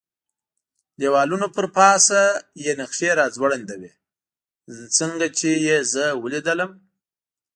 د دېوالونو پر پاسه یې نقشې را ځوړندې وې، څنګه چې یې زه ولیدلم.